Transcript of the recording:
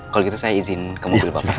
kalau gitu saya izin ke mobil bapak